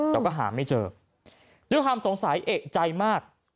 แต่ก็หาไม่เจอด้วยความสงสัยเอกใจมาก